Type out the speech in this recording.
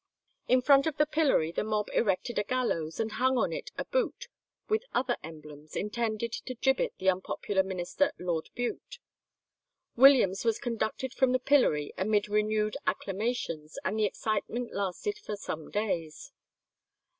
In front of the pillory the mob erected a gallows, and hung on it a boot, with other emblems, intended to gibbet the unpopular minister Lord Bute. Williams was conducted from the pillory amid renewed acclamations, and the excitement lasted for some days.